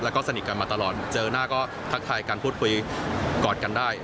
แล้วก็สนิทกันมาตลอดเจอหน้าก็ทักทายกันพูดคุยกอดกันได้